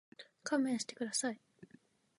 勘弁してください。